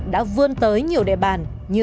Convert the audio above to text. đã vươn tới nhiều đệ bàn